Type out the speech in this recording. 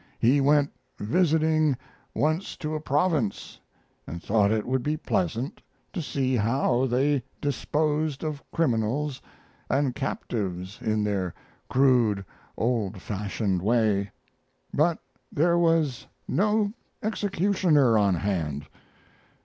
He went visiting once to a province and thought it would be pleasant to see how they disposed of criminals and captives in their crude, old fashioned way, but there was no executioner on hand.